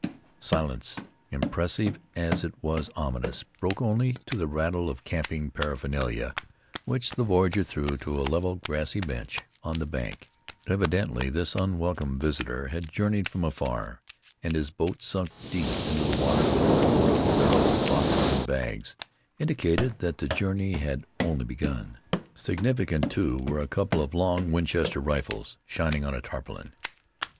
Silence, impressive as it was ominous, broke only to the rattle of camping paraphernalia, which the voyager threw to a level, grassy bench on the bank. Evidently this unwelcome visitor had journeyed from afar, and his boat, sunk deep into the water with its load of barrels, boxes and bags, indicated that the journey had only begun. Significant, too, were a couple of long Winchester rifles shining on a tarpaulin.